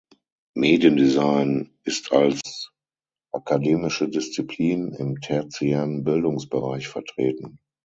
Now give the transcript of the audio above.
Mediendesign ist als akademische Disziplin im tertiären Bildungsbereich vertreten.